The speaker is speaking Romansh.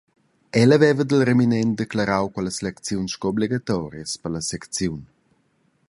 Ella veva dil reminent declarau quellas lecziuns sco obligatorias per la secziun.